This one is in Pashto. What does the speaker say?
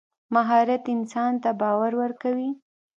مهارت انسان ته باور ورکوي.